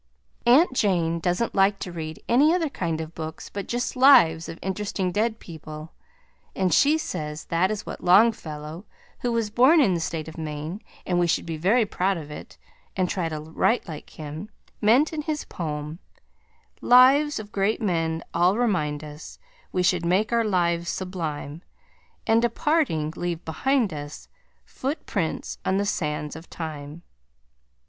Aunt Jane doesn't like to read any other kind of books but just lives of interesting dead people and she says that is what Longfellow (who was born in the state of Maine and we should be very proud of it and try to write like him) meant in his poem: "Lives of great men all remind us We should make our lives sublime, And departing, leave behind us Footprints on the sands of time."